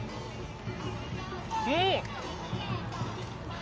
うん！